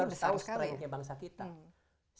dan kita juga harus tahu strengthnya bangsa kita